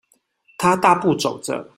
他大步走著